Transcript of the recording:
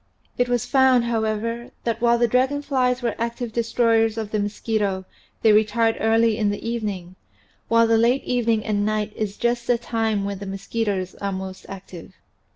It was found, however, that while the dragon flies were active destroyers of the mosquito they retired early in the evening, while the late evening and night is just the time when the mosqui toes are most active.